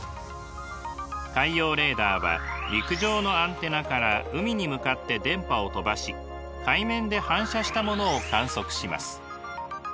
海洋レーダーは陸上のアンテナから海に向かって電波を飛ばし海面で反射したものを観測します。